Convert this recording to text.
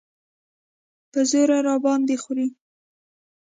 په زوره یې راباندې خورې.